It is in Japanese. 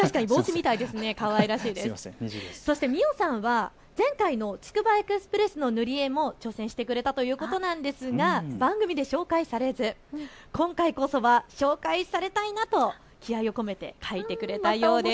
そして、みおさんは前回のつくばエクスプレスの塗り絵も挑戦してくれたということなんですが番組で紹介されず今回こそは紹介されたいなと気合いを込めて書いてくれたようです。